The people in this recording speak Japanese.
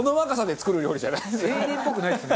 青年っぽくないですね。